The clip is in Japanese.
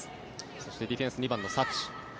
そして、ディフェンス２番のサチ。